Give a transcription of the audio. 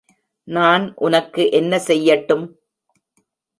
நான் உனக்கு என்ன செய்யட்டும்?